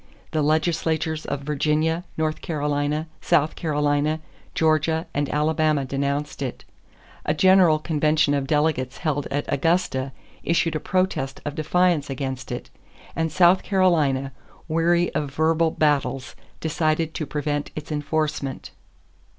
The legislatures of Virginia, North Carolina, South Carolina, Georgia, and Alabama denounced it; a general convention of delegates held at Augusta issued a protest of defiance against it; and South Carolina, weary of verbal battles, decided to prevent its enforcement.